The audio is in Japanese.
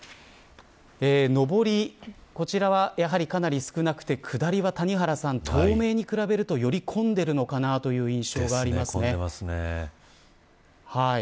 上り、こちらはかなり少なくて下りが東名に比べると混んでいるのかなという印象があります。